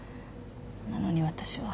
なのに私は。